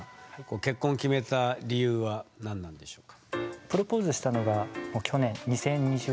結婚を決めた理由は何なんでしょうか？